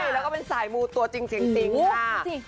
แล้วก็เป็นสายมูตัวจริงค่ะ